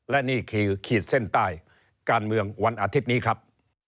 และนี่คือขีดเส้นใต้การเมืองวันอาทิตย์นี้ครับ